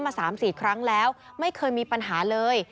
มา๓๔ครั้งแล้วไม่เคยมีปัญหาเลย